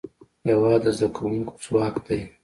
هېواد د زدهکوونکو ځواک دی.